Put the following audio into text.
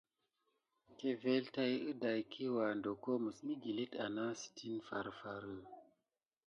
Kevele tät adakiwa doko məs məgillite anahansitini farfarə.